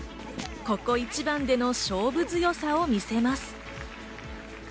ここ一番での勝負強さを見せます。